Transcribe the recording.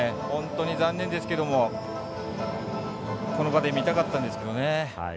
本当に残念ですけどこの場で見たかったんですけどね。